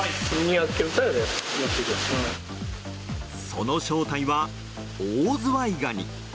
その正体はオオズワイガニ。